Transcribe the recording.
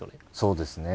そうですね。